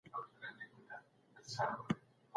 دا بدلونونه په لنډه موده کي نه سي راتلای.